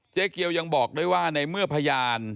เกียวยังบอกด้วยว่าในเมื่อพยาน